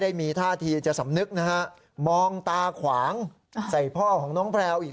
ได้มีท่าทีจะสำนึกนะฮะมองตาขวางใส่พ่อของน้องแพลวอีก